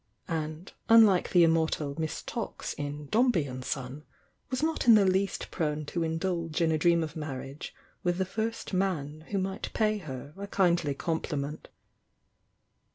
— and unlike the immortal Miss Tox in "Dombey and Son," was not in the least prone to indulge in a dream of marriage with the first man who might pay her a kindly compliment.